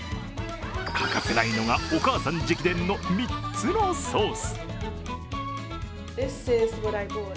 欠かせないのが、お母さん直伝の３つのソース。